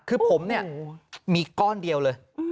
คือผมเนี่ยมีก้อนเดียวเลย